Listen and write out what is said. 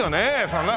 そんな。